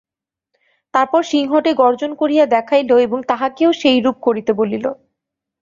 তারপর সিংহটি গর্জন করিয়া দেখাইল এবং তাহাকেও সেইরূপ করিতে বলিল।